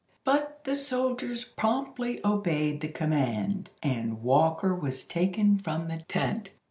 But the soldiers promptly obeyed the command, and Walker was taken from the tent.